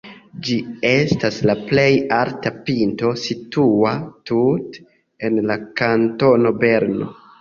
Ĝi estas la plej alta pinto situa tute en la kantono Berno.